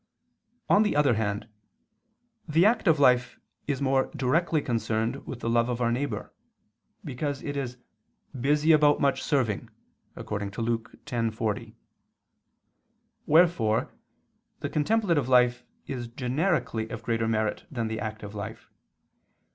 On the other hand, the active life is more directly concerned with the love of our neighbor, because it is "busy about much serving" (Luke 10:40). Wherefore the contemplative life is generically of greater merit than the active life.